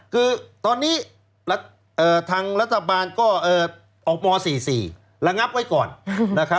คือตอนนี้ทางรัฐบาลก็ออกม๔๔ระงับไว้ก่อนนะครับ